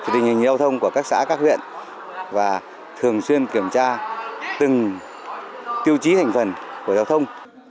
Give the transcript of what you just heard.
tình hình giao thông của các xã các huyện và thường xuyên kiểm tra từng tiêu chí thành phần của giao thông